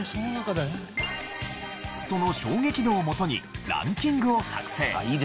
その衝撃度をもとにランキングを作成。